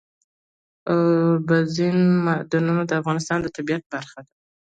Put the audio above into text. اوبزین معدنونه د افغانستان د طبیعت برخه ده.